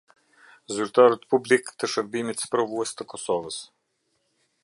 Zyrtarët Publik të Shërbimit Sprovues të Kosovës.